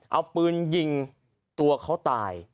เอาปืนยิงตัวเขาตาย